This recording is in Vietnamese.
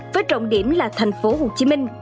với trọng điểm là thành phố hồ chí minh